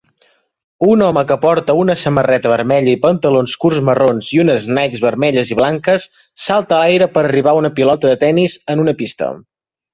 Un home que porta una samarreta vermella i pantalons curts marrons i unes Nike vermelles i blanques salta a l'aire per arribar a una pilota de tenis en una pista